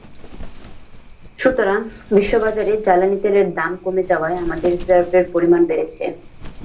সুতরাং বিশ্ববাজারে জ্বালানি তেলের দাম কমে যাওয়ায় আমাদের রিজার্ভের পরিমাণ বেড়েছে।